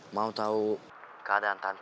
mau tau keadaan tante